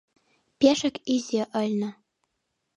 Пешак изи ыльна.